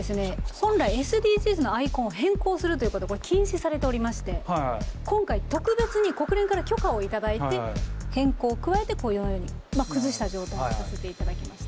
本来ＳＤＧｓのアイコンを変更するということは禁止されておりまして今回特別に国連から許可を頂いて変更を加えてこのように崩した状態にさせていただきました。